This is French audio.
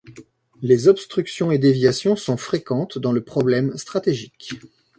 Les obstructions et déviations sont fréquentes dans le problème stratégique.